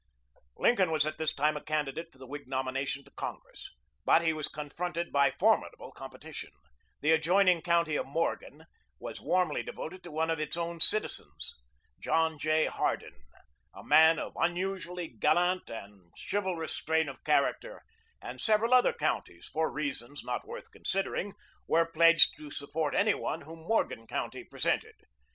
Lincoln was at this time a candidate for the Whig nomination to Congress; but he was confronted by formidable competition. The adjoining county of Morgan was warmly devoted to one of its own citizens, John J. Hardin, a man of an unusually gallant and chivalrous strain of character; and several other counties, for reasons not worth considering, were pledged to support any one whom Morgan County presented.